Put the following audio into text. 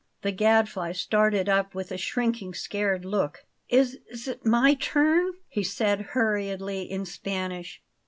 The Gadfly started up with a shrinking, scared look. "Is it my turn?" he said hurriedly in Spanish.